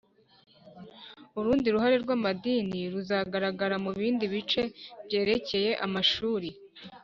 urundi ruhare rw'amadini ruzagaragara mu bindi bice byerekeye amashuri